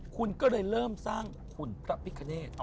คุณก็เลยเริ่มสร้างขุนพระพิคเนต